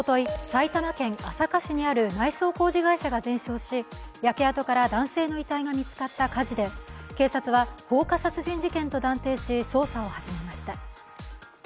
埼玉県朝霞市にある内装工事会社が全焼し焼け跡から男性の遺体が見つかった火事で警察は放火殺人事件と断定し捜査を始めました。